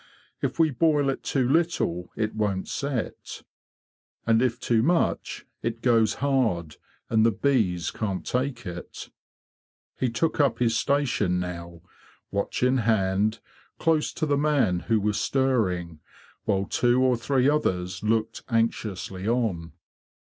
If we boil it too little it won't set, and if too much it goes hard, and the bees can't take it.'' He took up his station now, watch in hand, close to the man who was stirring, while two or three others looked anxiously on.